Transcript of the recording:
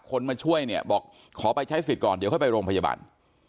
คนมาช่วยเนี่ยบอกขอไปใช้สิทธิ์ก่อนเดี๋ยวค่อยไปโรงพยาบาล